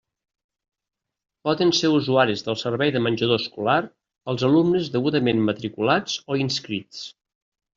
Poden ser usuaris del servei de menjador escolar els alumnes degudament matriculats o inscrits.